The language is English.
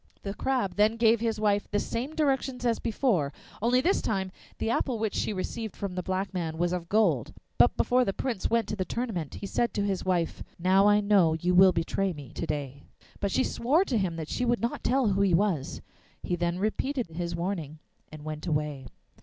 The Crab then gave his wife the same directions as before, only this time the apple which she received from the black man was of gold. But before the Prince went to the tournament he said to his wife, 'Now I know you will betray me to day.' But she swore to him that she would not tell who he was. He then repeated his warning and went away.